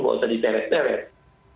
tidak usah diteret teret